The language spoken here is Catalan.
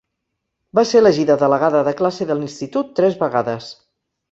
Va ser elegida delegada de classe de l'institut tres vegades.